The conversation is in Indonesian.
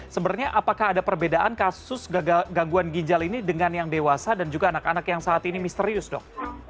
sebenarnya apakah ada perbedaan kasus gangguan ginjal ini dengan yang dewasa dan juga anak anak yang saat ini misterius dok